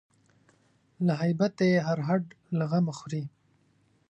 له هیبته یې هر هډ له غمه خوري